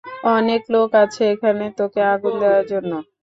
অনেক লোক আছে এখানে তোকে আগুন দেওয়ার জন্য।